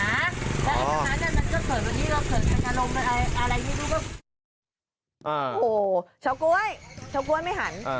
อันนั้นก็เกิดวันนี้ก็เกิดอังกษ์อารมณ์อะไรอย่างนี้ดูก็โอ้โหชาวกุ้ยชาวกุ้ยไม่หัน